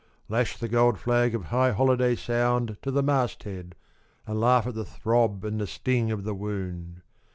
lash the gold flag of high holiday sound To the masthead, and laugh at the throb and the sting of the wound.